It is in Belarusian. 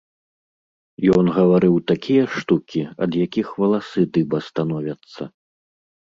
Ён гаварыў такія штукі, ад якіх валасы дыба становяцца.